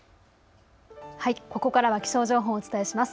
ここからは気象情報をお伝えします。